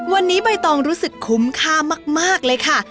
วันนี้ใบตองรู้สึกคุ้มค่ามากเลยค่ะ